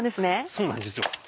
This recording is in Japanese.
そうなんですよ。